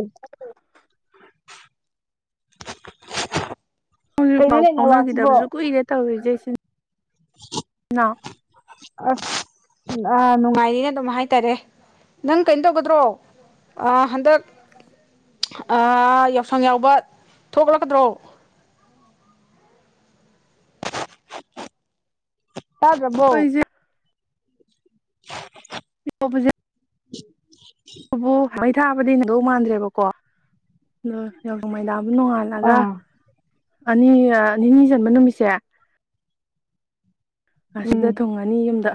ꯎꯝ [inaudible] ꯍꯧꯖꯤꯛꯐꯥꯎ ꯀꯩꯅꯣꯅꯦ ꯐꯥꯎꯅꯈꯤꯗꯕꯁꯨ ꯀꯨꯏꯔꯦ ꯇꯧꯔꯤꯁꯦ ꯁꯤ ꯑ [inaudible] ꯑ ꯅꯨꯡꯉꯥꯏꯔꯤꯅ ꯑꯗꯨꯝ ꯍꯥꯏꯇꯥꯔꯦ ꯅꯪ ꯀꯩꯅꯣ ꯇꯧꯒꯗ꯭ꯔꯣ ꯍꯟꯗꯛ [inaudible] ꯌꯥꯎꯁꯪ ꯌꯥꯎꯕ ꯊꯣꯛꯂꯛꯀꯗ꯭ꯔꯣ ꯇꯥꯗ꯭ꯔꯕꯣ ꯑꯩꯈꯣꯏꯁꯦ [inaudible] ꯣꯕꯨꯖ [unintelligible] ꯎꯝ [inaudible] ꯑꯕꯨ [unintelligible] ꯃꯩ ꯊꯥꯕꯗꯤ ꯊꯣꯏꯗꯣꯛ ꯃꯥꯟꯗ꯭ꯔꯦꯕꯀꯣ ꯑ ꯌꯥꯁꯪ ꯃꯩꯊꯥ ꯅꯣꯉꯥꯜꯂꯒ ꯑꯥ ꯑꯅꯤ ꯑ ꯅꯤꯅꯤ ꯆꯟꯕ ꯅꯨꯃꯤꯠꯁꯦ ꯑꯁꯤꯗ ꯎꯝ ꯊꯨꯡꯉꯅꯤ ꯌꯨꯝꯗ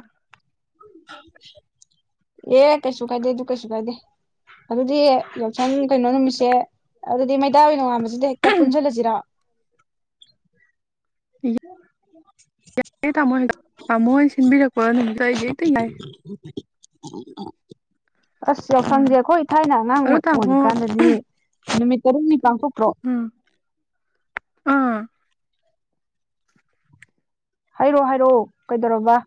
ꯑꯦ ꯀꯩꯁꯨ ꯀꯥꯏꯗꯦ ꯑꯗꯨ ꯀꯩꯁꯨ ꯀꯥꯏꯗꯦ ꯑꯗꯨꯗꯤ ꯁꯝ ꯀꯩꯅꯣ ꯅꯨꯃꯤꯠꯁꯦ ꯑꯗꯨꯗꯤ ꯃꯠ ꯇꯥꯎꯒꯤ ꯅꯣꯉꯥꯕꯁꯤꯗ ꯍꯦꯛꯇ ꯄꯨꯟꯖꯤꯜꯂꯖꯤꯔꯣ [inaudible] ꯌꯥꯏꯌꯦ ꯇꯥꯃꯣ ꯍ ꯇꯥꯃꯣꯍꯣꯏ ꯁꯤꯟꯕꯤꯔꯛꯄ ꯅꯨꯃꯤꯠꯇꯣ ꯑꯩꯗꯤ ꯍꯦꯛꯇ ꯌꯥꯏ [inaudible] ꯑꯁ ꯎꯝ ꯌꯥꯎꯁꯪꯖꯦ ꯑꯩꯈꯣꯏ ꯊꯥꯏꯅ ꯑꯉꯥꯡ ꯑꯗꯣ ꯇꯥꯃꯣ ꯑꯣꯏꯔꯤꯀꯥꯟꯗꯗꯤ ꯅꯨꯃꯤꯠ ꯇꯔꯨꯛꯅꯤ ꯄꯥꯡꯊꯣꯛ [inaudible] ꯎꯝ ꯑꯥ ꯍꯥꯏꯔꯣ ꯍꯥꯏꯔꯛꯑꯣ ꯀꯩꯗꯧꯔꯕ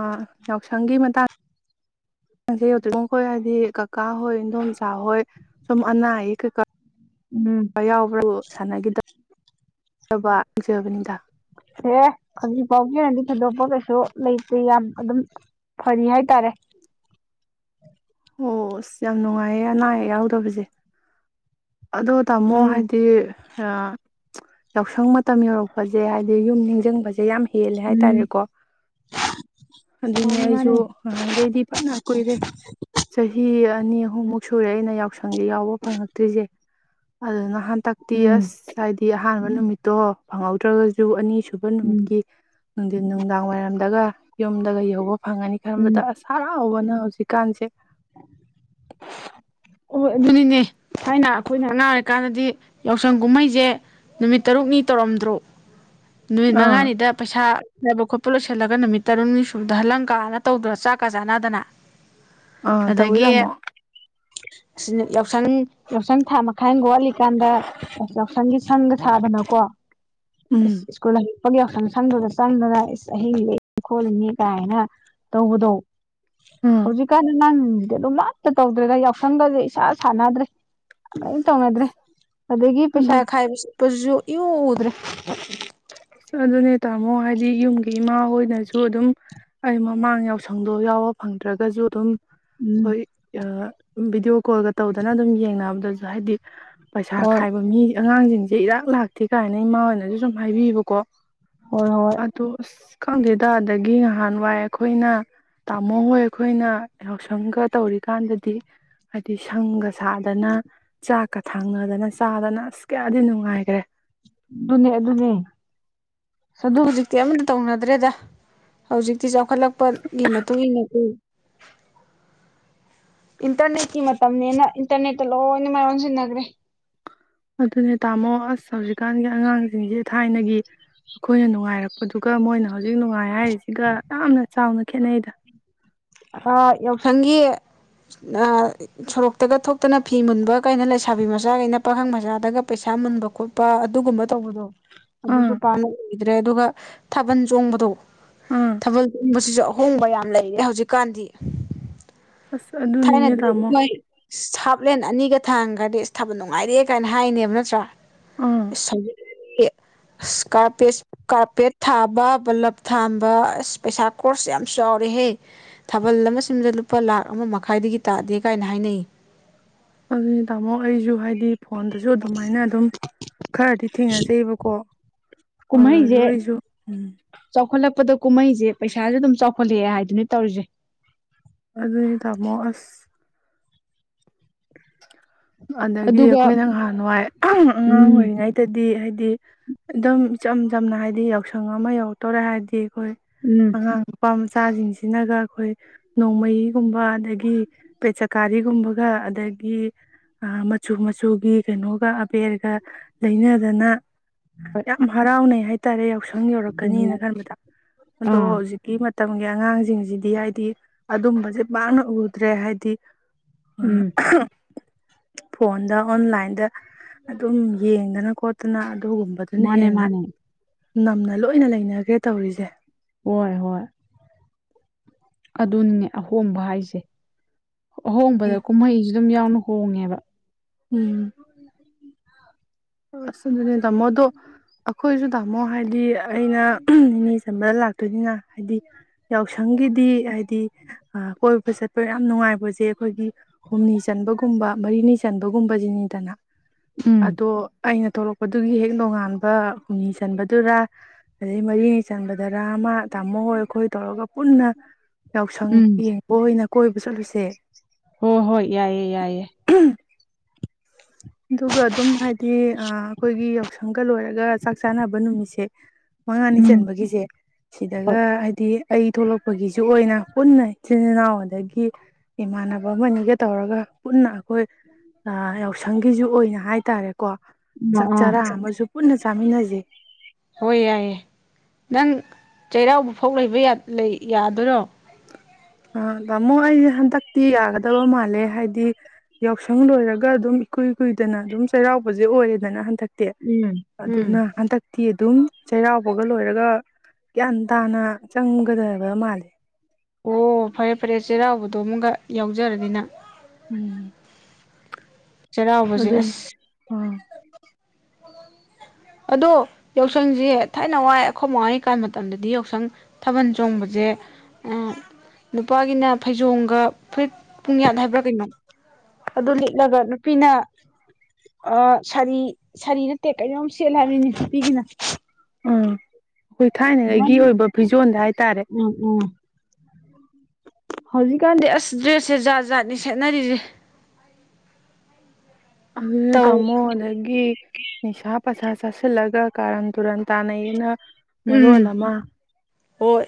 ꯑ ꯌꯥꯎꯁꯪꯒꯤ ꯃꯇꯥꯡꯁꯦ ꯌꯧꯗ꯭ꯔꯤꯉꯣ ꯈꯣꯏ ꯍꯣꯏꯗꯤ ꯀꯀꯥ ꯍꯣꯏ ꯏꯗꯣꯝꯆꯥ ꯍꯣꯏ ꯁꯨꯝ ꯑꯅꯥ ꯑꯌꯦꯛ ꯀꯩꯀꯥ ꯎꯝ ꯌꯥꯎꯕ꯭ꯔꯕꯨ ꯁꯥꯟꯅꯒꯤꯗꯕ ꯍꯪꯖꯕꯅꯤꯗ ꯁꯦ ꯈꯖꯤꯛ ꯐꯥꯎꯒꯤ ꯑꯣꯏꯅꯗꯤ ꯊꯣꯏꯗꯣꯛꯄ ꯀꯩꯁꯨ ꯂꯩꯇꯦ ꯌꯥꯝ ꯑꯗꯨꯝ ꯐꯔꯤ ꯍꯥꯏꯇꯥꯔꯦ ꯑꯣꯁ ꯌꯥꯝ ꯅꯨꯡꯉꯥꯏꯌꯦ ꯑꯅꯥ ꯑꯌꯦꯛ ꯌꯥꯎꯗꯕꯖꯦ ꯑꯗꯣ ꯇꯥꯃꯣ ꯎꯝ ꯍꯥꯏꯗꯤ ꯌꯥꯎꯁꯪ ꯃ ꯃꯇꯝ ꯌꯧꯔꯛꯄꯖꯦ ꯍꯥꯏꯗꯤ ꯌꯨꯝ ꯅꯤꯡꯖꯡꯕꯖꯦ ꯁꯤ ꯌꯥꯝ ꯍꯦꯜꯂꯦ ꯎꯝ ꯍꯥꯏꯇꯥꯔꯦꯀꯣ ꯑꯗꯨꯅꯦ ꯃꯥꯅꯤ ꯑꯩꯁꯨ ꯃꯥꯅꯤ ꯅꯍꯥꯟꯒꯩꯗꯤ ꯐꯥꯅ ꯀꯨꯏꯔꯦ ꯆꯍꯤ ꯑꯅꯤ ꯑꯍꯨꯝꯃꯨꯛ ꯁꯨꯔꯦ ꯑꯩꯅ ꯌꯥꯎ ꯌꯥꯎꯁꯪꯖꯦ ꯌꯥꯎꯕ ꯐꯪꯉꯛꯇ꯭ꯔꯤꯖꯦ ꯑꯗꯨꯅ ꯍꯟꯇꯛꯇꯤ ꯎꯝ ꯑꯁ ꯍꯥꯏꯗꯤ ꯑꯍꯥꯟꯕ ꯅꯨꯃꯤꯠꯇꯣ ꯐꯪꯍꯧꯗ꯭ꯔꯥꯒꯖꯨ ꯑꯅꯤ ꯁꯨ ꯁꯨꯕ ꯎꯝ ꯅꯨꯃꯤꯠꯀꯤ ꯅꯨꯡꯗꯤꯟ ꯅꯨꯡꯗꯥꯡ ꯋꯥꯏꯔꯝꯗꯒ ꯌꯨꯝꯗꯒ ꯌꯧꯕ ꯐꯪꯉꯅꯤ ꯎꯝ ꯈꯟꯕꯗ ꯑꯁ ꯍꯔꯥꯎꯕꯅ ꯍꯧꯖꯤꯛ ꯀꯥꯟꯁꯦ ꯍꯣꯏ ꯑꯗꯨꯅꯤꯅꯦ ꯊꯥꯏꯅ ꯑꯩꯈꯣꯏꯅ ꯑꯉꯥꯡ ꯑꯣꯏꯔꯤꯀꯥꯟꯗꯗꯤ ꯌꯥꯎꯁꯪ ꯀꯨꯝꯍꯩꯖꯦ ꯅꯨꯃꯤꯠ ꯇꯔꯨꯛꯅꯤ ꯇꯧꯔꯝꯗ꯭ꯔꯣ ꯅꯨꯃꯤꯠ ꯑꯥ ꯃꯉꯥꯅꯤꯗ ꯄꯩꯁꯥ ꯕ ꯈꯣꯠꯄ ꯂꯣꯏꯁꯤꯜꯂꯒ ꯅꯨꯃꯤꯠ ꯇꯔꯨꯛꯅꯤ ꯁꯨꯕꯗ ꯍꯜꯂꯪꯀꯥꯅ ꯇꯧꯗ꯭ꯔ ꯆꯥꯛꯀ ꯆꯥꯟꯅꯗꯅ ꯑꯥ ꯇꯧꯋꯤ ꯇꯥꯝꯃꯣ ꯑꯁꯤ ꯌꯥꯎꯁꯪ ꯌꯥꯎꯁꯪ ꯊꯥ ꯃꯈꯥꯏ ꯑꯝꯒ ꯋꯥꯠꯂꯤꯀꯥꯟꯗ ꯌꯥꯎꯁꯪꯒꯤ ꯁꯪꯒ ꯁꯥꯗꯅꯀꯣ ꯎꯝ ꯑꯁ ꯏꯀꯨꯜ ꯁꯨꯝ ꯌꯥꯎꯁꯪ ꯁꯪꯗꯨꯗ ꯆꯪꯗꯅ ꯏꯁ ꯑꯍꯤꯡ ꯂꯦꯛ ꯈꯣꯠꯂꯤꯅꯤ ꯀꯥꯏꯅ ꯇꯧꯕꯗꯣ ꯎꯝ ꯍꯧꯖꯤꯛ ꯀꯥꯟꯗ ꯅꯪ ꯀꯩꯅꯣꯃꯠꯇꯦꯗ ꯇꯧꯗꯔꯦꯗ ꯌꯥꯎ ꯁꯪꯒꯥꯁꯦ ꯏꯁꯥ ꯁꯥꯅꯗ꯭ꯔꯦ ꯑꯗꯩ ꯇꯧꯅꯗ꯭ꯔꯦ ꯑꯗꯒꯤ ꯄꯩꯁꯥ ꯑꯗꯨ ꯈꯥꯏꯕꯁꯨ ꯄꯁꯨ ꯏꯎ ꯎꯗ꯭ꯔꯦ ꯑꯁ ꯑꯗꯨꯅꯦ ꯇꯥꯃꯣ ꯌꯨꯝꯒꯤ ꯏꯃꯥ ꯍꯣꯏꯅꯁꯨ ꯑꯗꯨꯝ ꯑꯩ ꯃꯃꯥꯡ ꯌꯥꯎꯁꯪꯗꯣ ꯌꯥꯎꯕ ꯐꯪꯗ꯭ꯔꯒꯁꯨ ꯑꯗꯨꯝ ꯎꯝ ꯍꯣꯏ ꯑ ꯎꯝ ꯚꯤꯗꯤꯑꯣ ꯀꯣꯜꯒ ꯇꯧꯗꯅ ꯑꯗꯨꯝ ꯌꯦꯡꯅꯕꯗꯖꯨ ꯍꯥꯏꯗꯤ ꯄꯩꯁꯥ ꯍꯣꯏ ꯈꯥꯏꯕ ꯃꯤ ꯑꯉꯥꯡꯁꯤꯡꯁꯦ ꯏꯔꯥꯛ ꯂꯥꯛꯇꯦ ꯀꯥꯏꯅ ꯏꯃꯥꯍꯣꯏꯅꯁꯨ ꯁꯨꯝ ꯍꯥꯏꯕꯤꯑꯕ ꯀꯣ ꯍꯣꯏ ꯍꯣꯏ ꯑꯗꯣ ꯑꯁ ꯈꯣꯗꯦꯗ ꯑꯗꯒꯤ ꯅꯍꯥꯟꯋꯥꯏ ꯑꯩꯈꯣꯏꯅ ꯇꯥꯃꯣ ꯍꯣꯏ ꯑꯩꯈꯣꯏꯅ ꯌꯥꯎꯁꯪꯒ ꯇꯧꯔꯤꯀꯥꯟꯗꯗꯤ ꯍꯥꯏꯗꯤ ꯁꯪꯒ ꯁꯥꯗꯅ ꯆꯥꯛꯀ ꯊꯥꯡꯅꯗꯅ ꯆꯥꯗꯅ ꯑꯁ ꯀꯌꯥꯗꯤ ꯅꯨꯡꯉꯥꯏꯈ꯭ꯔꯦ ꯑꯗꯨꯅꯦ ꯑꯗꯨꯅꯦ ꯑꯗꯨ ꯍꯧꯖꯤꯛꯇꯤ ꯑꯃꯠꯇ ꯇꯧꯅꯗ꯭ꯔꯦꯗ ꯍꯧꯖꯤꯛꯇꯤ ꯆꯥꯎꯈꯠꯂꯛꯄꯒꯤ ꯃꯇꯨꯡ ꯏꯟꯅꯗꯤ ꯏꯟꯇꯔꯅꯦꯠꯀꯤ ꯃꯇꯝꯅꯤꯅꯦꯅ ꯏꯟꯇꯔꯅꯦꯠꯇ ꯂꯣꯏꯅ ꯃꯥꯏ ꯑꯣꯟꯁꯤꯟꯅꯈ꯭ꯔꯦ ꯑꯗꯨꯅꯦ ꯇꯥꯃꯣ ꯑꯁ ꯍꯧꯖꯤꯛ ꯀꯥꯟꯒꯤ ꯑꯉꯥꯡꯁꯤꯡꯁꯦ ꯊꯥꯏꯅꯒꯤ ꯑꯩꯈꯣꯏꯅ ꯅꯨꯡꯉꯥꯏꯔꯛꯄꯗꯨꯒ ꯃꯣꯏꯅ ꯍꯧꯖꯤꯛ ꯅꯨꯡꯉꯥꯏ ꯍꯥꯏꯔꯤꯁꯤꯒ ꯌꯥꯝꯅ ꯆꯥꯎꯅ ꯈꯦꯠꯅꯩꯗ ꯑ ꯌꯥꯎꯁꯪꯒꯤ ꯅ ꯁꯣꯔꯣꯛꯇꯒ ꯊꯣꯛꯇꯅ ꯐꯤ ꯃꯨꯟꯕ ꯀꯥꯏꯅ ꯂꯩꯁꯥꯕꯤ ꯃꯆꯥ ꯀꯩꯅ ꯄꯥꯈꯪ ꯃꯆꯥꯗꯒ ꯄꯩꯁꯥ ꯃꯨꯟꯕ ꯈꯣꯠꯄ ꯑꯗꯨꯒꯨꯝꯕ ꯇꯧꯕꯗꯣ ꯑꯗꯨꯁꯨ ꯑꯥ ꯄꯥꯝꯅ ꯎꯒꯤꯗ꯭ꯔꯦ ꯑꯗꯨꯒ ꯊꯥꯕꯜ ꯆꯣꯡꯕꯗꯣ ꯑꯥ ꯊꯥꯕꯜ ꯆꯣꯡꯕꯁꯤꯁꯨ ꯑꯍꯣꯡꯕ ꯌꯥꯝ ꯂꯩꯔꯦ ꯍꯧꯖꯤꯛ ꯀꯥꯟꯗꯤ ꯑꯁ ꯑꯗꯨꯅꯤꯅꯦ ꯊꯥꯏꯅꯗꯤ ꯇꯥꯃꯣ ꯃꯣꯏ ꯁꯕ ꯍꯥꯞꯂꯦꯟ ꯑꯅꯤꯒ ꯊꯥꯡꯒ꯭ꯔꯗꯤ ꯑꯁ ꯊꯥꯕꯜ ꯅꯨꯡꯉꯥꯏꯔꯦ ꯀꯥꯏꯅ ꯍꯥꯏꯅꯦꯕ ꯅꯠꯇ꯭ꯔꯥ ꯑꯥ ꯑꯁ [unintelligible] ꯑꯁ ꯀꯥꯔꯄꯦꯖ ꯀꯥꯔꯄꯦꯠ ꯊꯥꯕ ꯕꯂꯞ ꯊꯥꯟꯕ ꯑꯁ ꯄꯩꯁꯥ ꯈꯣꯔꯁ ꯌꯥꯝ ꯆꯥꯎꯔꯦꯍꯦ ꯊꯥꯕꯜ ꯑꯃ ꯁꯤꯟꯕꯗ ꯂꯨꯄꯥ ꯂꯥꯛ ꯑꯃ ꯃ ꯈꯥꯏꯗꯒꯤ ꯇꯥꯗꯦ ꯀꯥꯏꯅ ꯍꯥꯏꯅꯩ ꯑꯗꯨꯅꯤ ꯇꯥꯃꯣ ꯑꯩꯁꯨ ꯍꯥꯏꯗꯤ ꯐꯣꯟꯗꯁꯨ ꯑꯗꯨꯃꯥꯏꯅ ꯑꯗꯨꯝ ꯈꯔꯗꯤ ꯊꯦꯡꯅꯖꯩꯑꯦꯕꯀꯣ ꯀꯨꯝꯍꯩꯁꯦ [unintelligible] [inaudible] ꯆꯥꯎꯈꯠꯂꯛꯄꯗ ꯀꯨꯝꯍꯩꯁꯦ ꯄꯩꯁꯥꯁꯦ ꯑꯗꯨꯝ ꯆꯥꯎꯈꯠꯂꯛꯑꯦ ꯍꯥꯏꯗꯨꯅꯦ ꯇꯧꯔꯤꯁꯦ ꯑꯗꯨꯗꯤ ꯇꯥꯃꯣ ꯑꯁ ꯑꯗꯒꯤ ꯑꯗꯨꯒ ꯑꯩꯈꯣꯏꯅ ꯅꯍꯥꯟꯋꯥꯏ ꯑꯉꯥꯡ ꯎꯝ ꯑꯣꯏꯔꯤꯉꯩꯗꯗꯤ ꯍꯥꯏꯗꯤ ꯍꯥꯏꯗꯤ ꯑꯗꯨꯝ ꯏꯆꯝ ꯆꯝꯅ ꯍꯥꯏꯗꯤ ꯌꯥꯎꯁꯪ ꯑꯃ ꯌꯧꯔꯛꯇꯣꯔꯦ ꯍꯥꯏꯔꯗꯤ ꯍꯣꯏ ꯎꯝ ꯑꯉꯥꯡ ꯅꯨꯄꯥ ꯃꯆꯥꯁꯤꯡꯁꯤꯅꯒ ꯑꯩꯈꯣꯏ ꯅꯣꯡꯃꯩꯒꯨꯝꯕ ꯑꯗꯒꯤ ꯄꯦꯠꯆꯀꯥꯔꯤꯒꯨꯝꯕꯒ ꯑꯗꯒꯤ ꯑꯥ ꯃꯆꯨ ꯃꯆꯨꯒꯤ ꯀꯩꯅꯣꯒ ꯑꯕꯦꯔꯒ ꯂꯩꯅꯗꯅ ꯌꯥꯝ ꯍꯔꯥꯎꯅꯩ ꯍꯥꯏ ꯇꯔꯦꯠ ꯪ ꯌꯧꯔꯛꯀꯅꯤꯅ ꯍꯣꯏ ꯈꯟꯕꯗ ꯑꯗꯣ ꯑꯥ ꯍꯧꯖꯤꯛꯀꯤ ꯃꯇ ꯃꯇꯝꯒꯤ ꯑꯉꯥꯡꯁꯤꯡꯁꯤꯗꯤ ꯍꯥꯏꯗꯤ ꯑꯗꯨꯝꯕꯁꯦ ꯄꯥꯛꯅ ꯎꯗ꯭ꯔꯦ ꯍꯥꯏꯗꯤ ꯎꯝ ꯐꯣꯟꯗ ꯑꯣꯟꯂꯥꯏꯟꯗ ꯑꯗꯨꯝ ꯌꯦꯡꯗꯅ ꯈꯣ ꯑꯗꯨꯅ ꯑꯗꯨꯒꯨꯝꯕꯗꯨꯅ ꯃꯥꯅꯦ ꯍꯦꯟꯅ ꯃꯥꯅꯦ ꯅꯝꯅ ꯂꯣꯏꯅ ꯂꯩꯅꯈ꯭ꯔꯦ ꯇꯧꯔꯤꯁꯦ ꯍꯣꯏ ꯍꯣꯏ ꯑꯗꯨꯅꯤꯅꯦ ꯑꯍꯣꯡꯕ ꯍꯥꯏꯁꯦ ꯑꯍꯣꯡꯕꯗ ꯀꯨꯝꯍꯩꯁꯨ ꯑꯗꯨꯝ ꯌꯥꯎꯅꯩ ꯍꯣꯡꯉꯦꯕ ꯎꯝ ꯑꯗꯨꯅꯤ ꯇꯥꯃꯣꯗꯣ ꯑꯩꯈꯣꯏꯁꯨ ꯇꯥꯃꯣ ꯍꯥꯏꯗꯤ ꯑꯩꯅ ꯏꯅꯦ ꯆꯟꯕꯗ ꯂꯥꯛꯇꯣꯏꯅꯤꯅ ꯍꯥꯏꯗꯤ ꯌꯥꯎꯁꯪꯒꯤꯗꯤ ꯍꯥꯏꯗꯤ ꯀꯣꯏꯕ ꯆꯠꯄ ꯌꯥꯝ ꯅꯨꯡꯉꯥꯏꯕ ꯃꯣꯏꯁꯦ ꯑꯩꯈꯣꯏꯒꯤ ꯍꯨꯝꯅꯤ ꯆꯟꯕꯒꯨꯝꯕ ꯃꯔꯤꯅꯤ ꯆꯟꯕꯒꯨꯝꯕꯁꯤꯅꯤꯗꯅ ꯎꯝ ꯑꯗꯣ ꯑꯩꯅ ꯊꯣꯛꯂꯛꯄꯗꯨꯒꯤ ꯍꯦꯛ ꯅꯣꯡꯉꯥꯟꯕ ꯍꯨꯝꯅꯤ ꯆꯟꯕꯗꯨꯔ ꯑꯗꯩ ꯃꯔꯤꯅꯤ ꯆꯟꯕꯗꯨꯔꯥ ꯑꯃ ꯇꯥꯃꯣ ꯍꯣꯏ ꯑꯩꯈꯣꯏ ꯇꯧꯔꯒ ꯄꯨꯟꯅ ꯌꯥꯎꯁꯪ ꯎꯝ ꯌꯦꯡꯕ ꯑꯣꯏꯅ ꯀꯣꯏꯕ ꯆꯠꯂꯨꯁꯦ ꯍꯣ ꯍꯣꯏ ꯌꯥꯏꯌꯦ ꯌꯥꯏꯌꯦ ꯑꯗꯨꯒ ꯑꯗꯨꯝ ꯍꯥꯏ ꯗꯤ ꯑꯥ ꯑꯈꯣꯏꯒꯤ ꯌꯥꯎꯁꯪꯒ ꯂꯣꯏꯔꯒ ꯆꯥꯛ ꯆꯥꯅꯕ ꯅꯨꯃꯤꯠꯁꯦ ꯃꯉꯥꯅꯤ ꯎꯝ ꯆꯟꯕꯒꯤꯖꯦ ꯍꯣꯏ ꯁꯤꯗꯒ ꯍꯥꯏꯗꯤ ꯑꯩ ꯊꯣꯛꯂꯛꯄꯒꯤꯖꯨ ꯑꯣꯏꯅ ꯄꯨꯟꯅ ꯏꯆꯤꯜ ꯏꯅꯥꯎ ꯑꯗꯒꯤ ꯏꯃꯥꯟꯅꯕ ꯑꯃꯅꯤꯒ ꯇꯧꯔꯒ ꯄꯨꯟꯅ ꯍꯣꯏ ꯑꯥ ꯌꯥꯎꯁꯪꯒꯤꯖꯨ ꯑꯣꯏꯅ ꯍꯥꯏ ꯇꯥꯔꯦ ꯀꯣ ꯑꯥ ꯑꯥ ꯆꯥꯃꯤꯟꯅꯁꯦ ꯍꯣꯏ ꯌꯥꯌꯦ ꯅꯪ ꯆꯩꯔꯥꯎꯕ ꯐꯥꯎ ꯂꯩꯕ ꯌꯥ ꯂꯩ ꯌꯥꯗꯣꯏꯔꯣ ꯑ ꯗꯥꯃꯣ ꯑꯩꯖꯦ ꯍꯟꯗꯛꯇꯤ ꯌꯥꯒꯗꯕ ꯃꯥꯜꯂꯦ ꯍꯥꯏꯗꯤ ꯌꯥꯎꯁꯪ ꯂꯣꯏꯔꯒ ꯑꯗꯨꯝ ꯏꯀꯨꯏ ꯀꯨꯏꯗꯅ ꯑꯗꯨꯝ ꯆꯩꯔꯥꯎꯕꯁꯦ ꯑꯣꯏꯔꯦꯗꯅ ꯍꯟꯗꯛ ꯗꯤ ꯎꯝ ꯎꯝ ꯑꯗꯨꯅ ꯍꯟꯗꯛꯇꯤ ꯑꯗꯨꯝ ꯆꯩꯔꯥꯎꯕꯒ ꯂꯣꯏꯔꯒ ꯒ꯭ꯤꯌꯥꯟ ꯇꯥꯅ ꯑꯪꯒꯗꯕ ꯃꯥꯜꯂꯦ [unintelligible] ꯑꯣ ꯐꯔꯦ ꯐꯔꯦ ꯆꯩꯔꯥꯎꯕꯗꯣ ꯑꯃꯒ ꯌꯥꯎꯖꯔꯗꯤ ꯅꯪ ꯎꯝ ꯆꯩꯔꯥꯎꯕꯖꯦ ꯑꯗꯨꯅꯤ ꯑꯁ ꯑꯥ ꯑꯗꯣ ꯌꯥꯎꯁꯪꯖꯦ ꯊꯥꯏꯅ ꯋꯥꯏ ꯑꯈꯣꯏ ꯃꯥꯍꯣꯏꯀꯥꯟ ꯃꯇꯝꯗꯗꯤ ꯌꯥꯎꯁꯪ ꯊꯥꯕꯟ ꯆꯣꯡꯕꯖꯦ ꯅꯨꯄꯥꯒꯤꯅ ꯐꯩꯖꯣꯝꯒ ꯐꯨꯔꯤꯠ ꯄꯨꯡꯌꯥꯠ ꯍꯥꯏꯕ꯭ꯔꯥ ꯀꯩꯅꯣ ꯑꯗꯨ ꯂꯤꯠꯂꯒ ꯅꯨꯄꯤꯅ ꯑꯥ ꯁꯥꯔꯤ ꯁꯥꯔꯤ ꯅꯠꯇꯦ ꯀꯩꯅꯣꯝ ꯁꯦꯠꯂꯦ [unintelligible] ꯄꯤꯒꯤꯅ ꯑꯥ ꯑꯈꯣꯏ ꯊꯥꯏꯅꯉꯩꯒꯤ ꯑꯣꯏꯕ ꯐꯤꯖꯣꯟꯗ ꯍꯥꯏꯇꯥꯔꯦ ꯎꯝ ꯎꯝ ꯍꯧꯖꯤꯛꯀꯥꯟꯗꯤ ꯑꯁ ꯗ꯭ꯔꯦꯁꯁꯦ ꯖꯥꯠ ꯖꯥꯠꯅꯤ ꯁꯦꯠꯅꯔꯤꯖꯦ ꯑꯗꯨꯅꯦ ꯇꯥꯝꯃꯣ ꯑꯗꯒꯤ ꯅꯤꯁꯥꯞ ꯄꯁꯥ ꯆꯥꯁꯤꯜꯂꯒ ꯀꯥꯔꯟ ꯇꯨꯔꯟ ꯇꯥꯅꯩꯌꯦꯅ ꯃꯔꯣꯜ ꯎꯝ ꯑꯃ ꯍꯣꯏ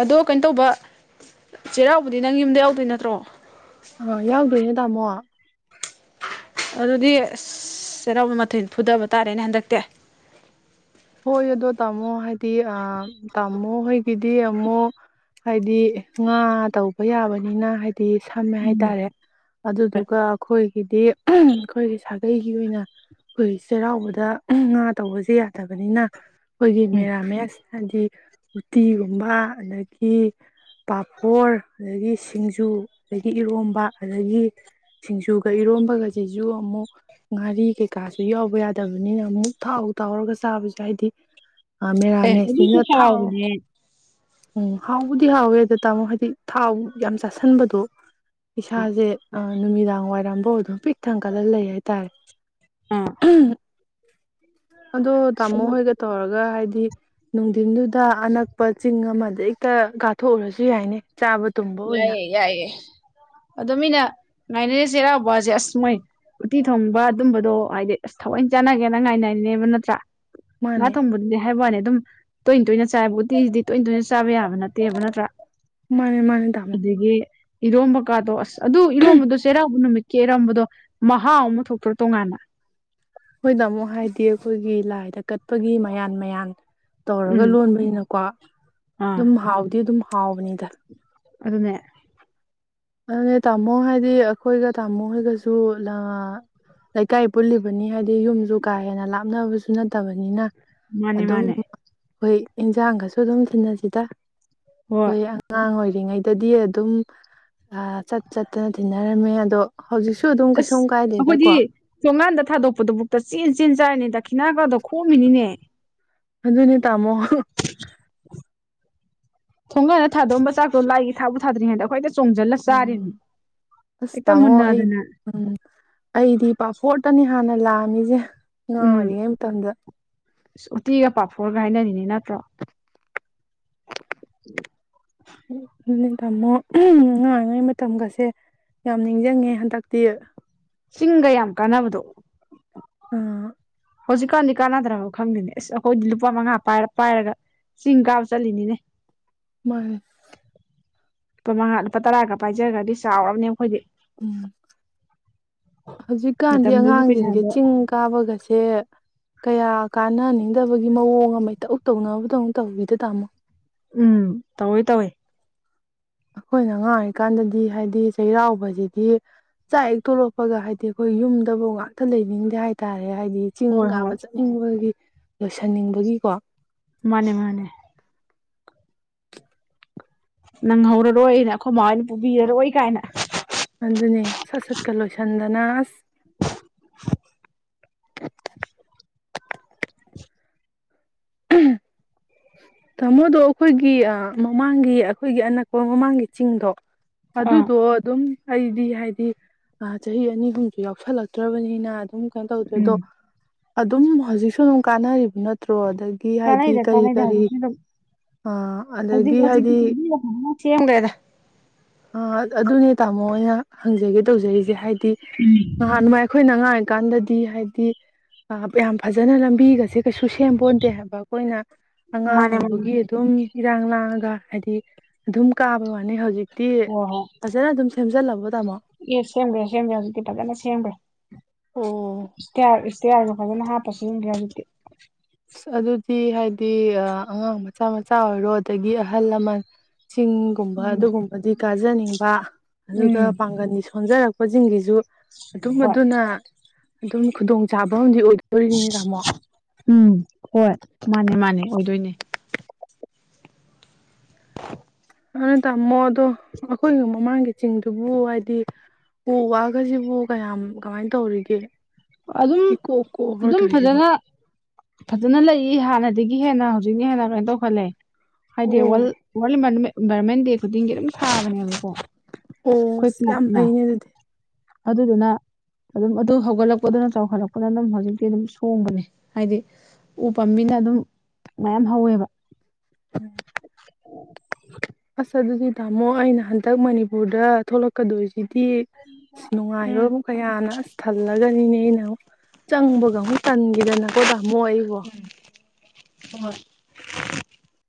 ꯑꯗꯣ ꯀꯩꯅ ꯇꯧꯕ ꯆꯩꯔꯥꯎꯕꯗꯤ ꯅꯪ ꯌꯨꯝꯗ ꯌꯥꯎꯗꯣꯏ ꯅꯠꯇ꯭ꯔꯣ ꯑ ꯌꯥꯎꯗꯣꯏ ꯅꯠ ꯇꯃꯣ ꯑꯗꯨꯗꯤ ꯆꯩꯔꯥꯎꯕ ꯃꯊꯦꯟ ꯐꯨꯗꯕ ꯇꯥꯔꯦꯅꯦ ꯍꯟꯗꯛꯇꯤ ꯍꯣꯏ ꯑꯗꯣ ꯇꯃꯣ ꯍꯥꯏ ꯑ ꯇꯥꯃꯣ ꯍꯣꯏꯒꯤꯗꯤ ꯃꯣ ꯍꯥꯏꯗꯤ ꯉꯥ ꯇꯧꯕ ꯌꯥꯕꯅꯤꯅ ꯍꯥꯏ ꯗꯤ ꯁꯝꯃꯦ ꯍꯥꯏꯇꯥꯔꯦ ꯑꯗꯨꯗꯨꯒ ꯑꯈꯣꯏꯒꯤꯗꯤ ꯑꯈꯣꯏꯒꯤ ꯁꯥ ꯑꯩꯩꯒꯤ ꯑꯣꯏꯅ ꯑꯩꯈꯣꯏ ꯆꯩꯔꯥꯎꯕꯗ ꯉꯥ ꯇꯧꯕꯁꯦ ꯅꯤꯅ ꯑꯩꯈꯣꯏꯒꯤ ꯎꯝ ꯃꯦꯔꯥꯃꯦꯁ ꯍꯥꯏꯗꯤ ꯎꯇꯤꯒꯨꯝꯕ ꯑꯗꯒꯤ ꯄꯥꯐꯣꯔ ꯑꯗꯒꯤ ꯁꯤꯡꯖꯨ ꯑꯗꯒꯤ ꯏꯔꯣꯝꯕ ꯑꯗꯒꯤ ꯁꯤꯡꯖꯨꯒ ꯏꯔꯣꯝꯕꯒꯁꯦ ꯨ ꯌꯨ ꯑꯃꯨꯛ ꯉꯥꯔꯤ ꯀꯩꯀꯥꯁꯨ ꯌꯥꯎꯕ ꯌꯥꯗꯕꯅꯤꯅ ꯑꯃꯨꯛ ꯊꯥꯎ ꯇꯥꯎꯔꯒ ꯇꯥꯕꯁꯨ ꯍꯥꯏꯗꯤ ꯑꯦ ꯑꯗꯨꯁꯨ ꯃꯦꯔꯥꯃꯦꯁꯅꯤꯅ ꯊꯥꯎ ꯍꯥꯎꯕꯅꯦꯍꯦ ꯎꯝ ꯍꯥꯎꯕꯨꯗꯤ ꯍꯥꯎꯋꯦ ꯑꯗ ꯇꯥꯃꯣ ꯍꯥꯏꯗꯤ ꯊꯥꯎ ꯌꯥꯝ ꯆꯥꯥꯁꯤꯟꯕꯗꯣ ꯏꯁꯥꯁꯦ ꯑ ꯅꯨꯃꯤꯗꯥꯡ ꯋꯥꯏꯔꯝꯐꯥꯎ ꯑꯗꯨꯝ ꯄꯤꯛ ꯊꯪꯒꯠꯂ ꯂꯩ ꯍꯥꯏꯇꯥꯔꯦ ꯑꯥ ꯑꯗꯣ ꯇꯥꯃꯣ ꯍꯣꯏꯒ ꯇꯧꯔꯒ ꯍꯥꯏꯗꯤ ꯅꯨꯡꯊꯤꯟꯗꯨꯗ ꯑꯅꯛꯄ ꯆꯤꯡ ꯑꯃꯗ ꯍꯦꯛꯇ ꯀꯥꯊꯣꯛꯎꯔꯁꯨ ꯌꯥꯏꯅꯦ ꯆꯥꯕ ꯇꯨꯝꯕ ꯑꯣꯏꯅ ꯌꯥꯏꯑꯌꯦ ꯌꯥꯏꯌꯦ ꯑꯗꯣ ꯃꯤꯅ ꯉꯥꯏꯅꯔꯦ ꯆꯩꯔꯥꯎꯕꯁꯦ ꯑꯁ ꯃꯣꯏ ꯎꯇꯤ ꯊꯣꯡꯕ ꯑꯗꯨꯝꯕꯗꯣ ꯍꯥꯏꯗꯤ ꯑꯁ ꯊꯑꯣꯏ ꯆꯥꯟꯅꯒꯦꯅ ꯉꯥꯏꯅꯅꯦꯕ ꯅꯠꯇ꯭ꯔ ꯉꯥ ꯃꯥꯅꯦ ꯊꯣꯡꯕꯗꯨꯗꯤ ꯍꯥꯏꯕ ꯋꯥꯅꯤ ꯑꯗꯨꯝ ꯇꯣꯏꯅ ꯇꯣꯏꯅ ꯆꯥꯏꯕ ꯎꯇꯤꯁꯤꯗꯤ ꯇꯣꯏꯅ ꯇꯣꯏꯅ ꯆꯥꯕ ꯌꯥꯕ ꯅꯠꯇꯦꯕ ꯅꯠꯇ꯭ꯔꯥ ꯃꯥꯅꯦ ꯃꯥꯅꯦ ꯇꯥꯃꯣ ꯑꯗꯨꯗꯒꯤ ꯏꯣꯝꯕ ꯀꯥꯗꯣ ꯑꯁ ꯑꯗꯨ ꯏꯔꯣꯝꯕꯗꯣ ꯆꯩꯔꯥꯎꯕ ꯅꯨꯃꯤꯠ ꯀꯦꯔꯝꯕꯗꯣ ꯃꯍꯥꯎ ꯑꯃ ꯊꯣꯛꯇ꯭ꯔꯣ ꯇꯣꯉꯥꯟꯅ ꯑꯩꯈꯣꯏꯅ ꯑꯃꯨꯛ ꯍꯥꯏꯗꯤ ꯑꯩꯈꯣꯏꯒꯤ ꯂꯥꯏꯗ ꯀꯠꯄꯒꯤ ꯃꯌꯥꯟ ꯃꯌꯥꯟ ꯇꯧꯔꯒ ꯎꯝ ꯂꯣꯟꯕꯅꯤꯅꯀꯣ ꯑꯥ ꯑꯗꯨꯝ ꯍꯥꯎꯗꯤ ꯑꯗꯨꯝ ꯍꯥꯎꯕꯅꯤꯗ ꯑꯗꯨꯅꯦ ꯑꯗꯨꯅꯦ ꯇꯥꯃꯣ ꯍꯥꯏꯗꯤ ꯑꯩꯈꯣꯏꯒ ꯇꯥꯃꯣ ꯍꯣꯏꯒꯁꯨ ꯂꯩꯀꯥꯏ ꯄꯨꯜꯂꯤꯕꯅꯤ ꯍꯥꯏꯕꯗꯤ ꯌꯨꯝꯁꯨ ꯀꯥ ꯍꯦꯟꯅ ꯂꯥꯞꯅꯕꯁꯨ ꯅꯠꯇꯕꯅꯤꯅ ꯃꯥꯅꯦ ꯑꯗꯨꯝ ꯃꯥꯅꯦ ꯑꯩꯈꯣꯏ ꯏꯟꯁꯥꯡꯒꯁꯨ ꯑꯗꯨꯝ ꯊꯤꯟꯅꯁꯤꯗ ꯍꯣꯏ ꯑꯩꯈꯣꯏ ꯑꯉꯥꯡ ꯑꯣꯏ ꯔꯤꯉꯩꯗꯗꯤ ꯑꯗꯨꯝ ꯑꯥ ꯆꯠ ꯆꯠꯇꯅ ꯊꯤꯟꯅꯔꯝꯃꯦ ꯑꯗꯣ ꯍꯧꯖꯤꯛꯁꯨ ꯑꯗꯨꯝ ꯑꯁ ꯀꯩꯁꯨꯝ ꯑꯩꯈꯣꯏꯗꯤ ꯀꯥꯏꯗꯦꯗꯀꯣ ꯊꯣꯡꯒꯥꯟꯗ ꯊꯥꯗꯣꯛꯄꯗꯨꯕꯨꯛꯇ ꯆꯦꯟ ꯆꯦꯟ ꯆꯥꯔꯤꯅꯤ ꯗ ꯗꯈꯤꯅꯥ ꯒꯥꯗꯣ ꯈꯣꯞꯃꯤꯅꯤꯅꯦ ꯑꯗꯨꯅꯦ ꯇꯥꯃꯣ ꯊꯣꯡꯒꯥꯟꯗ ꯊꯥꯗꯣꯛꯑꯝꯕ ꯆꯥꯛꯇꯣꯥ ꯂꯥꯏꯒꯤ ꯊꯥꯕꯨ ꯊꯥꯗ꯭ꯔꯤꯉꯩꯗ ꯑꯩꯈꯣꯏꯗ ꯆꯣꯡꯁꯤꯜꯂ ꯆꯥꯔꯤꯕꯅꯤ ꯑꯁ ꯍꯦꯛꯇ ꯇꯥꯃꯣ ꯑꯩ ꯃꯨꯟꯅꯗꯅ ꯎꯝ ꯑꯩꯗꯤ ꯄꯥꯐꯣꯔꯇꯅꯤ ꯍꯥꯟꯅ ꯂꯥꯝꯃꯤꯁꯦ ꯑꯉꯥꯡ ꯑꯣꯏꯔꯤꯉꯩ ꯃꯇꯝꯗ ꯑꯁ ꯎꯇꯤꯒ ꯄꯥꯐꯣꯔꯒ ꯍꯥꯏꯅꯔꯤꯅꯤ ꯅꯠꯇ꯭ꯔꯣ ꯇꯥꯃꯣ ꯑꯉꯥꯡ ꯑꯣꯏꯔꯤꯉꯩ ꯃꯇꯝꯒꯁꯦ ꯌꯥꯝ ꯅꯤꯡꯁꯤꯡꯉꯦ ꯍꯟꯗꯛꯇꯤ ꯆꯤꯡꯒ ꯌꯥꯝ ꯀꯥꯅꯕꯗꯣ ꯍꯧꯖꯤꯛꯀꯥꯟꯗꯤ ꯀꯥꯟꯅꯗ꯭ꯔꯕ ꯈꯪꯗꯦꯅꯦ ꯑꯁ ꯑꯩꯈꯣꯏꯗꯤ ꯂꯨꯄꯥ ꯃꯉꯥ ꯄꯥꯏꯔ ꯄꯥꯏꯔꯒ ꯆꯤꯡ ꯀꯥꯕ ꯆꯠꯂꯤꯅꯤꯅꯦ ꯃꯥꯅꯦ ꯂꯨꯄꯥ ꯇꯔꯥꯒ ꯄꯥꯏꯖꯒ꯭ꯔꯗꯤ ꯆꯥꯎꯔꯝꯅꯦ ꯌꯦꯡꯉꯨ ꯎꯝ ꯍꯧꯖꯤꯛꯀꯥꯟꯗꯤ ꯃꯇꯝꯗꯨꯒꯤ ꯑꯉꯥꯡꯁꯤꯡꯁꯦ ꯄꯩꯁꯥꯗꯣ ꯆꯤꯡ ꯀꯥꯕꯒꯁꯦ ꯀꯌꯥ ꯀꯥꯅꯅꯤꯡꯗꯕꯒꯤ ꯃꯑꯣꯡ ꯑꯃ ꯏꯇꯧ ꯇꯧꯏꯅꯕꯗꯧꯅ ꯇꯧꯏꯗ ꯇꯥꯃꯣ ꯎꯝ ꯇꯧꯏ ꯇꯧꯏ ꯑꯩꯈꯣꯏꯅ ꯑꯉꯥꯡꯔꯤꯑꯣꯏꯔꯤꯀꯥꯟꯗꯗꯤ ꯍꯥꯏꯗꯤ ꯆꯩꯔꯥꯎꯕꯁꯤꯗꯤ ꯆꯥꯛ ꯍꯦꯛ ꯇꯣꯔꯛꯄꯒ ꯍꯥꯏꯗꯤ ꯑꯩꯈꯣꯏ ꯌꯨꯝꯗꯕꯧ ꯉꯥꯛꯇꯪ ꯂꯩꯅꯤꯡꯗꯦ ꯍꯥꯏꯇꯥꯔꯦ ꯅꯦ ꯍꯥꯏꯗꯤ ꯆꯤꯡ ꯍꯣꯏ ꯀꯥꯕ ꯍꯣꯏ ꯆꯠꯅꯤꯡꯕꯒꯤ ꯂꯣꯏꯁꯤꯟꯅꯤꯡꯕꯒꯤꯀꯣ ꯃꯥꯅꯦ ꯃꯥꯅꯦ ꯅꯪꯍꯧꯔꯔꯣꯏꯅ ꯑꯩꯈꯣꯏ ꯃꯥꯍꯣꯏꯅ ꯄꯨꯕꯤꯔꯔꯣꯏ ꯀꯥꯏꯅ ꯑꯗꯨꯅꯦ ꯁꯠ ꯁꯠꯀ ꯂꯣꯏꯁꯟꯗꯅ ꯑꯁ [inaudible] ꯑꯍꯝ ꯇꯥꯃꯣꯗꯣ ꯑꯩꯈꯣꯏꯒꯤ ꯃꯃꯥꯡꯒꯤ ꯑꯩꯈꯣꯏꯒꯤ ꯑꯅꯛꯄ ꯃꯃꯥꯡꯒꯤ ꯆꯤꯡꯗꯣ ꯑꯥ ꯑꯗꯨꯗꯣ ꯑꯗꯨꯝ ꯑꯩꯗꯤ ꯍꯥꯏꯗꯤ ꯆꯍꯤ ꯑꯅꯤꯒꯨꯝꯁꯨ ꯌꯥꯎꯁꯜꯂꯛꯇ꯭ꯔꯕꯅꯤꯅ ꯑꯝ ꯀꯩꯝ ꯇꯧꯗ꯭ꯔꯦ ꯑꯗꯣ ꯎꯝ ꯑꯗꯨꯝ ꯍꯧꯖꯤꯛꯁꯨ ꯑꯗꯨꯝ ꯀꯥꯟꯅꯔꯤꯕ ꯅꯠꯇ꯭ꯔꯣ ꯑꯗꯒꯤ ꯍꯥꯏꯗꯤ ꯀꯥꯟꯅꯩꯗ ꯀꯔꯤ ꯀꯥꯟꯅꯩꯗ ꯀꯔꯤ ꯍꯧꯖꯤꯛꯁꯨ ꯑꯗꯨꯝ ꯑ ꯑꯗꯒꯤ ꯍꯥꯏꯗꯤ ꯁꯦꯝꯒ꯭ꯔꯦꯗ ꯑꯥ ꯑꯗꯨꯅꯦ ꯇꯥꯃꯣ ꯑꯩꯅ ꯍꯪꯖꯒꯦ ꯇꯧꯖꯔꯤꯁꯦ ꯍꯥꯏ ꯗꯤ ꯅꯍꯥꯟꯋꯥꯏ ꯑꯩꯈꯣꯏꯅ ꯑꯉꯥꯡ ꯑꯣ ꯀꯥꯟꯅꯗꯦ ꯍꯥꯏꯗꯤ ꯌꯥꯝ ꯐꯖꯅ ꯂꯝꯕꯤꯒꯁꯦ ꯀꯩꯁꯨ ꯁꯦꯝꯄꯣꯠꯇꯦ ꯍꯥꯏꯕ ꯑꯩꯈꯣꯏꯅ ꯑꯉꯥꯡ ꯃꯥꯅꯦ ꯃꯥꯅꯦ ꯑꯣꯏꯕꯒꯤ ꯑꯗꯨꯝ ꯏꯔꯥꯡ ꯂꯥꯡꯉꯒ ꯍꯥꯏꯗꯤ ꯑꯗꯨꯝ ꯀꯥꯕ ꯋꯥꯅꯤ ꯍ ꯇꯤ ꯍꯣꯏ ꯍꯣꯏ ꯐꯖꯅ ꯑꯗꯨꯝ ꯁꯦꯝꯖꯤꯜꯂꯕ ꯑꯦ ꯁꯦꯝꯒ꯭ꯔꯦ ꯁꯦꯝꯒ꯭ꯔꯦ ꯍꯧꯖꯤꯛꯇꯤ ꯐꯖꯅ ꯁꯦꯝꯕꯒ꯭ꯔꯦ ꯑꯣ [unintelligible] ꯀꯦ ꯍꯥꯢꯅꯣ ꯐꯖꯅ ꯍꯥꯢꯔꯛꯇꯔꯗꯤ ꯒ꯭ꯌꯥꯟ ꯇꯦ ꯑꯁ ꯑꯗꯨꯗꯤ ꯍꯥꯏ ꯗꯤ ꯑꯥ ꯑꯉꯥꯡ ꯃꯆꯥ ꯃꯆꯥ ꯑꯣꯏꯔꯣ ꯑꯗꯒꯤ ꯑꯍꯜ ꯂꯃꯟ ꯆꯤꯡꯒꯨꯝꯕ ꯎꯝ ꯑꯗꯨꯒꯨꯝꯕꯗꯤ ꯀ ꯖꯅꯤꯡꯕ ꯎꯝ ꯑꯗꯨꯒꯒ ꯄꯥꯡꯒꯅꯤꯁ ꯍꯣꯟꯖꯔꯛꯄꯁꯤꯡꯒꯤꯖꯨ ꯑꯗꯨꯝ ꯍꯣꯏ ꯑꯗꯨꯅ ꯑꯗꯨꯝ ꯈꯨꯗꯣꯡ ꯆꯥꯕ ꯑꯃꯗꯤ ꯑꯣꯏ ꯍꯣꯢꯅꯤꯅꯦ ꯇꯥꯃꯣ ꯎꯝ ꯍꯣꯏ ꯃꯥꯅꯦ ꯃꯥꯅꯦ ꯑꯣꯏꯗꯣꯏꯅꯦ ꯑꯍ ꯇꯥꯝꯃꯣ ꯑꯗꯣ ꯑꯈꯣꯏꯒꯤ ꯃꯃꯥꯡꯒꯤ ꯆꯤꯡꯗꯨꯕꯨ ꯍꯥꯏꯗꯤ ꯎ ꯋꯥꯒꯖꯤꯕꯨ ꯀꯌꯥꯝ ꯀꯃꯥꯏꯅ ꯇꯧꯔꯤꯒꯦ ꯑꯗꯨꯝ ꯏꯀꯣꯛ ꯀꯣꯛꯑꯕ꯭ꯔꯣ ꯑꯗꯨꯝ ꯇꯧꯔꯤꯁꯤꯕꯣ ꯐꯖꯅ ꯐꯖꯅ ꯂꯩꯌꯦ ꯍꯥꯟꯅꯗꯒꯤ ꯍꯦꯟꯅ ꯍꯧꯖꯤꯛꯅ ꯍꯦꯟꯅ ꯀꯩꯅ ꯇꯧꯈꯠꯂꯦ ꯍꯥꯏꯗꯤ ꯋꯜ ꯑꯣ ꯋꯜ ꯏꯟꯚꯥꯏꯔꯃꯦꯟ ꯏꯟꯚꯥꯏꯔꯣꯟꯃꯦꯟ ꯗꯦ ꯈꯨꯗꯤꯡꯒꯤ ꯑꯗꯨꯝ ꯊꯥꯕꯅꯦꯕꯀꯣ ꯑꯣ ꯑꯩꯈꯣꯏ ꯌꯥꯝ ꯀ꯭ꯂꯕꯅ ꯐꯩꯅꯦ ꯑꯗꯨꯗꯤ ꯑꯗꯨꯗꯨꯅ ꯑꯗꯨꯝ ꯑꯗꯨ ꯍꯧꯒꯠꯂꯛ ꯄꯣꯗꯨꯅ ꯆꯥꯎꯈꯠꯂꯛꯄꯗꯨꯅ ꯑꯗꯨꯝ ꯍꯧꯖꯤꯛꯇꯤ ꯑꯗꯨꯝ ꯁꯣꯡꯕꯅꯦ ꯍꯥꯏꯗꯤ ꯎ ꯄꯥꯝꯕꯤꯅ ꯑꯗꯨꯝ ꯃꯌꯥꯝ ꯍꯧꯋꯦꯕ ꯑꯁ ꯑꯗꯨꯗꯤ ꯇꯥꯃꯣ ꯑꯩꯅ ꯍꯟꯗꯛ ꯃꯅꯤꯄꯨꯔꯗ ꯊꯣꯛꯂꯛꯀꯗꯣꯏꯖꯤ ꯇꯤ ꯅꯨꯡꯉꯥꯏꯕ ꯎꯝ ꯀꯌꯥꯅ ꯑꯁ ꯊꯜꯂꯒꯅꯤꯅꯦ ꯑꯩꯅ ꯑꯃꯨꯛ ꯆꯪꯕꯒ ꯑꯃꯨꯛ ꯇꯟꯒꯤꯗꯅꯀꯣ ꯇꯥꯃꯣ ꯑꯩꯕꯣ ꯍꯣꯢ